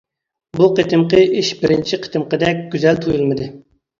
بۇ قېتىمقى ئىش بىرىنچى قېتىمقىدەك گۈزەل تۇيۇلمىدى.